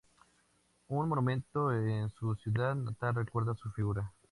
Un monumento en su ciudad natal recuerda su figura.